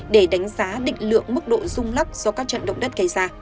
để đánh giá định lượng mức độ rung lắc do các trận động đất gây ra